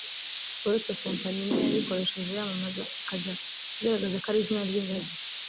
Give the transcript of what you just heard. Uretse Kompanyi imwe yarikoresheje yamamaza ikajya igaragaza ko ari izina ry’ingagi